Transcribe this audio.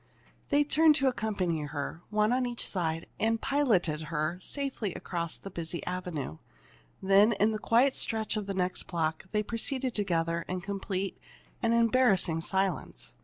They turned to accompany her, one on each side, and piloted her safely across the busy avenue. Then, in the quiet stretch of the next block, they proceeded together in complete and embarrassing silence.